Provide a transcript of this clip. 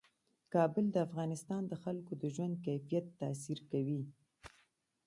کابل د افغانستان د خلکو د ژوند کیفیت تاثیر کوي.